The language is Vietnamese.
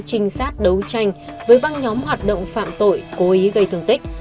trinh sát đấu tranh với băng nhóm hoạt động phạm tội cố ý gây thương tích